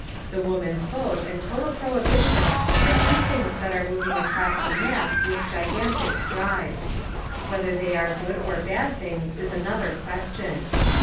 The woman's vote and total prohibition are two things that are moving across the map with gigantic strides. Whether they are good or bad things is another question.